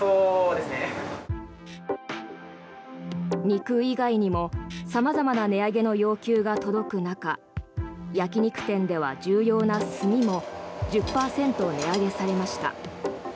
肉以外にも様々な値上げの要求が届く中焼き肉店では重要な炭も１０％値上げされました。